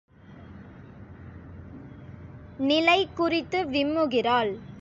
நிலை குறித்து விம்முகிறாள்.